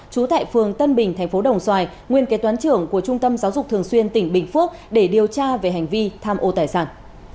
trú tại phường tân bình tp đồng xoài nguyên kế toán trưởng của trung tâm giáo dục thường xuyên tỉnh bình phước để điều tra về hành vi tham ô tài sản